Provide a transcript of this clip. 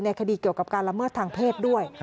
คดีเกี่ยวกับการละเมิดทางเพศด้วย